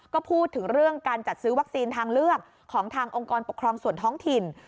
ก็พูดถึงเรื่องการจัดซื้อวัคซีนทางเลือกของทางองค์กรปกครองส่วนท้องถิ่น